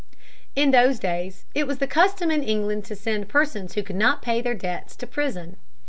In those days it was the custom in England to send persons who could not pay their debts to prison.